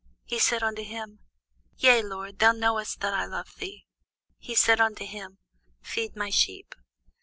He saith unto him, Yea, Lord; thou knowest that I love thee. He saith unto him, Feed my sheep.